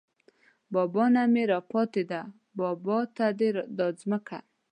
بابا نه مې راپاتې ده بابا ته ده دا ځمکه